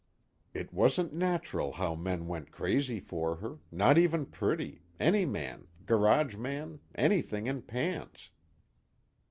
"_It wasn't natural how men went crazy for her not even pretty any man, garage man, anything in pants....